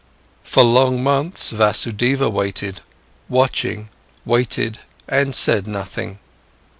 For long months, Vasudeva waited, watching, waited and said nothing.